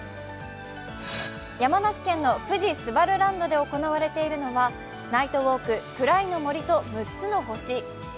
山梨県の富士すばるランドで行われているのは、「ナイトウォーククライの森と６つの星」。